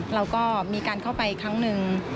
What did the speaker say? เราก็มีการเข้าไปครั้งหนึ่ง